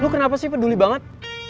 lu kenapa sih peduli banget